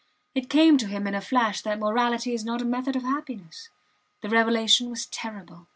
It came to him in a flash that morality is not a method of happiness. The revelation was terrible.